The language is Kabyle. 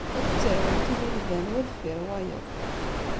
Ad ttarwent inilban, wa deffir wayeḍ.